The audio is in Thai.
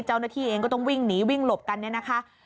เจ้าหน้าที่เองก็ต้องวิ่งหนีวิ่งหลบกันเนี่ยนะคะ